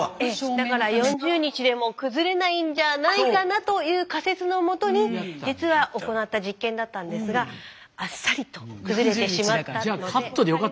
だから４０日でも崩れないんじゃないかなという仮説のもとに実は行った実験だったんですがあっさりと崩れてしまった。